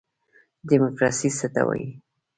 دیموکراسي څه ته وایي؟